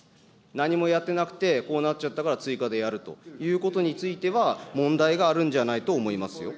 何もやってなくて、こうなっちゃったから追加でやるということについては、問題があるんじゃないと思いますよ。